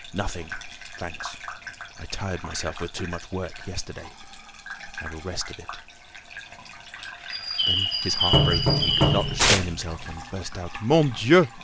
"Nothing, thanks. I tired myself with too much work yesterday. I will rest a bit." Then, his heart breaking, he could not restrain himself and burst out: "_Mon Dieu!